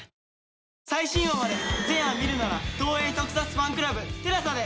最新話まで全話見るなら東映特撮ファンクラブＴＥＬＡＳＡで。